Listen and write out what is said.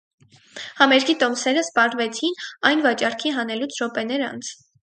Համերգի տոմսերը սպառվեցին այն վաճառքի հանելուց րոպեներ անց։